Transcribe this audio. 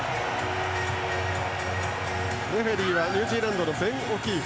レフリーはニュージーランドのベン・オキーフ。